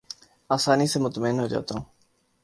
آسانی سے مطمئن ہو جاتا ہوں